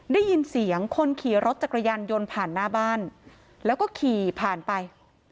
ได้ยินเสียงคนขี่รถจักรยานยนต์ผ่านหน้าบ้านแล้วก็ขี่ผ่านไป